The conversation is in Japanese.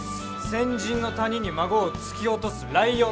千尋の谷に孫を突き落とすライオンって感じ！